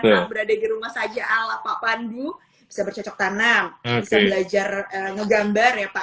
nah berada di rumah saja ala pak pandu bisa bercocok tanam bisa belajar ngegambar ya pak